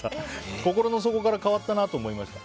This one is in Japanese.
心の底から変わったなと思いました。